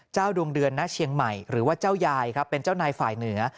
ดวงเดือนณเชียงใหม่หรือว่าเจ้ายายครับเป็นเจ้านายฝ่ายเหนือ